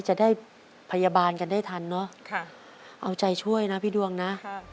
จะได้พยาบาลกันได้ทันเนอะเอาใจช่วยนะพี่ดวงนะ